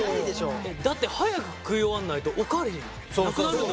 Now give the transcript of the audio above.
だって早く食い終わんないとお代わりなくなるもん。